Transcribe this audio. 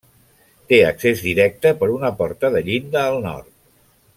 Té accés directe per una porta de llinda al nord.